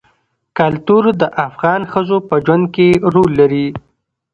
کلتور د افغان ښځو په ژوند کې رول لري.